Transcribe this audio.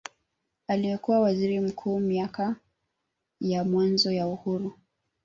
Aliyekuwa Waziri Mkuu miaka ya mwanzoni ya uhuru